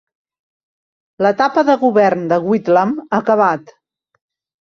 L'etapa de govern de Whitlam ha acabat.